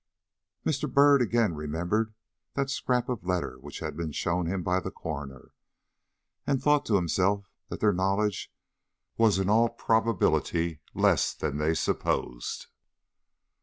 Mr. Byrd again remembered that scrap of a letter which had been shown him by the coroner, and thought to himself that their knowledge was in all probability less than they supposed.